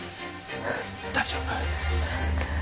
大丈夫？